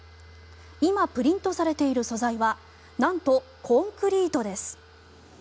今プリントされている素材はなんとコンクリートです。